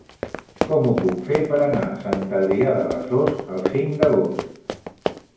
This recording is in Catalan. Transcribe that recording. Com ho puc fer per anar a Sant Adrià de Besòs el cinc d'agost?